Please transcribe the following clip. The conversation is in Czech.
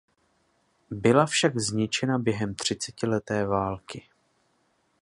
Byla však zničena během třicetileté války.